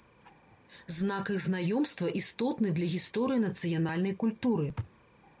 Знак іх знаёмства істотны для гісторыі нацыянальнай культуры.